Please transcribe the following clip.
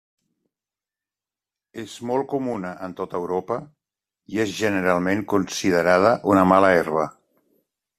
És molt comuna en tota Europa i és generalment considerada una mala herba.